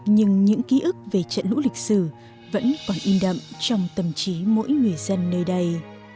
nhưng những ký ức về trận lũ lịch sử vẫn còn in đậm trong tâm trí mỗi người dân nơi đây